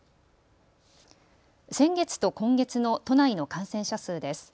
先月と今月の都内の感染者数です。